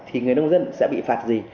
thì người nông dân sẽ bị phạt gì